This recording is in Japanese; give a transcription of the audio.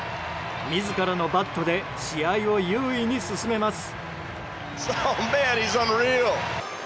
自らのバットで試合を優位に進めます。